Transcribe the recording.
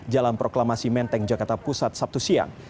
jalan proklamasi menteng jakarta pusat sabtu siang